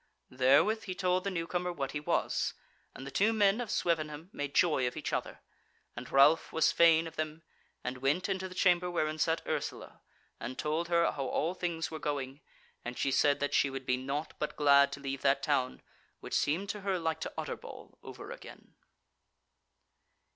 Therewith he told the new comer what he was, and the two men of Swevenham made joy of each other. And Ralph was fain of them, and went into the chamber wherein sat Ursula, and told her how all things were going, and she said that she would be naught but glad to leave that town, which seemed to her like to Utterbol over again.